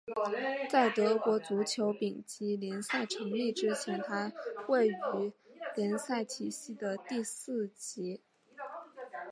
在德国足球丙级联赛成立之前它位于联赛体系的第四级。